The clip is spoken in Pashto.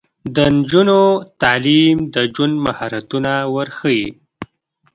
د نجونو تعلیم د ژوند مهارتونه ورښيي.